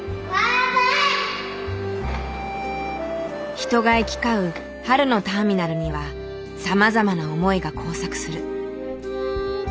人が行き交う春のターミナルにはさまざまな思いが交錯する。